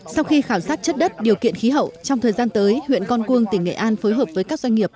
sau khi khảo sát chất đất điều kiện khí hậu trong thời gian tới huyện con cuông tỉnh nghệ an phối hợp với các doanh nghiệp